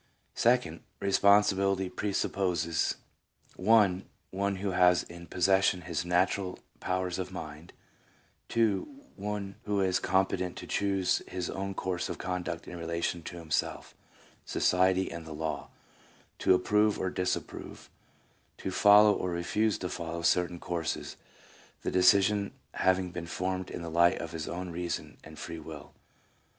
Second, 2 " Responsibility presup poses: (1) one who has in possession his natural powers of mind ; (2) one who is competent to choose his own course of conduct in relation to himself, society, and the law, to approve or disapprove, to follow or refuse to follow certain courses, the decision having been formed in the light of his own reason and free will."